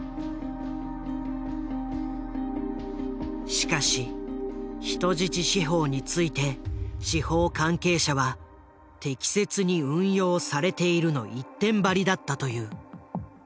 しかし「人質司法」について司法関係者は「適切に運用されている」の一点張りだったという。